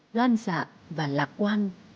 đoan dạ và lạc quan